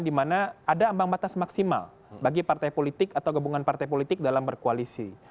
di mana ada ambang batas maksimal bagi partai politik atau gabungan partai politik dalam berkoalisi